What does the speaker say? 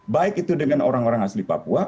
baik itu dengan orang orang asli papua